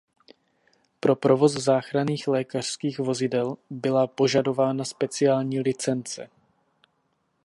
Pro provoz záchranných lékařských vozidel byla požadována speciální licence.